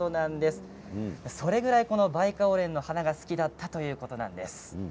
それぐらいこのバイカオウレンが好きだったということなんです。